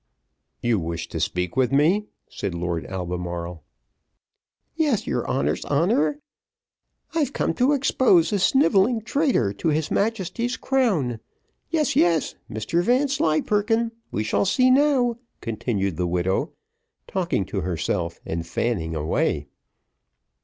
"You wish to speak with me," said Lord Albemarle. "Yes, your honour's honour, I've come to expose a snivelling traitor to his Majesty's crown. Yes, yes, Mr Vanslyperken, we shall see now," continued the widow, talking to herself, and fanning away.